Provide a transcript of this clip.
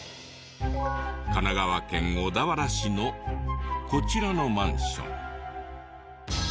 神奈川県小田原市のこちらのマンション。